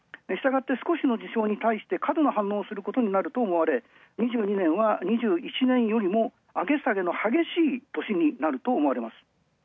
したがって少しの事象に対して過度なすることになると思われ、２２年は２１年よりも上げ下げの激しい年になると思われます。